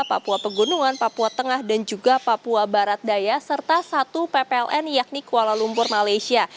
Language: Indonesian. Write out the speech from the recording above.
papua pegunungan papua tengah dan juga papua barat daya serta satu ppln yakni kuala lumpur malaysia